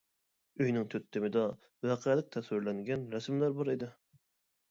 ئۆينىڭ تۆت تېمىدا ۋەقەلىك تەسۋىرلەنگەن رەسىملەر بار ئىدى.